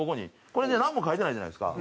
これねなんも書いてないじゃないですか。